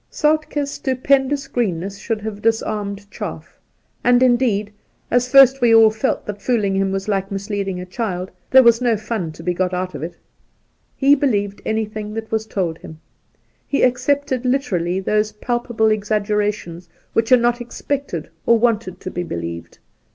46 Soltke Soltk^'s stupendous greenness should have dis armed chaff ; and, indeed, at first we all felt that fooling him was like misleading a child : there was no fun to be got out of it. He believed anything that was told him. He accepted literally those palpable exaggerations which are not expected or wanted to be believed.